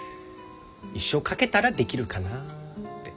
一生かけたらできるかなって。